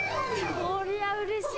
こりゃうれしい！